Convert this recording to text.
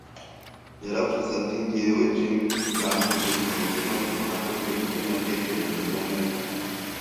Yaravuze ati: “Jyewe, Jim, byankoze ku mutima, ariko nakoze ibyo natekerezaga neza